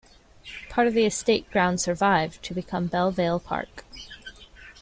Part of the estate grounds survived to become Belle Vale Park.